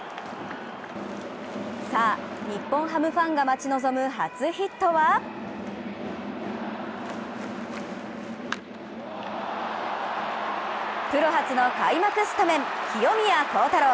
さあ、日本ハムファンが待ち望む初ヒットはプロ初の開幕スタメン、清宮幸太郎。